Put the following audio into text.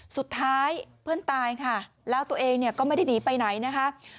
สุดท้ายเพื่อนตายค่ะแล้วตัวเองเนี่ยก็ไม่ได้หนีไปไหนนะคะ